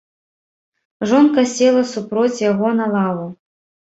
Жонка села супроць яго на лаву.